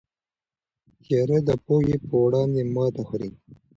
تیاره د پوهې په وړاندې ماتې خوري.